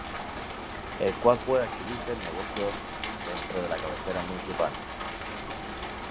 El cual puede adquirirse en negocios dentro de la cabecera municipal.